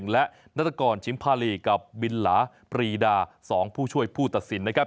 และนัตกรชิมพาลีกับบิลลาปรีดา๒ผู้ช่วยผู้ตัดสินนะครับ